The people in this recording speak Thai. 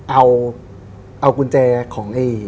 เอากุญแจของไอ้